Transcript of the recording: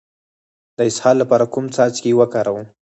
د اسهال لپاره کوم څاڅکي وکاروم؟